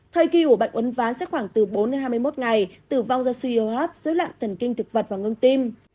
thời kỳ của bệnh uấn ván sẽ khoảng từ bốn hai mươi một ngày tử vong do suy yếu hấp dối loạn thần kinh thực vật và ngương tim